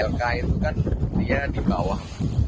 lk itu kan dia di bawah